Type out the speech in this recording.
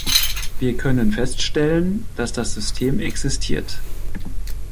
Wir können feststellen, dass das System existiert.